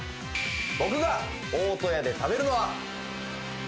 僕が大戸屋で食べるのは。